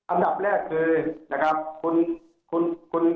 อันดับแรกคือคุณค่ายของเกินราคาแล้ว